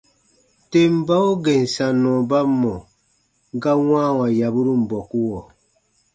Tem bau gèn sannɔ ba mɔ̀ ga wãawa yaburun bɔkuɔ.